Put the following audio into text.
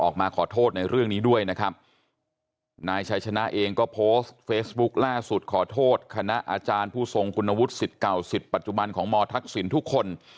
เก่าสิทธิ์ปัจจุบันของมทักษิณทุกคน